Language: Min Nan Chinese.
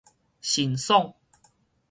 神爽